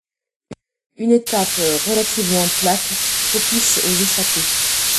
Une étape relativement plate, propice aux échappées.